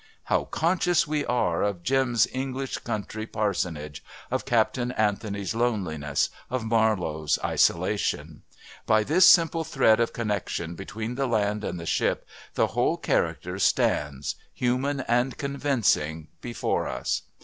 How conscious we are of Jim's English country parsonage, of Captain Anthony's loneliness, of Marlowe's isolation. By this simple thread of connection between the land and the ship the whole character stands, human and convincing, before us.